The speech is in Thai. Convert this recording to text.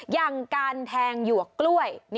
อย่างการแทงหยวกกล้วย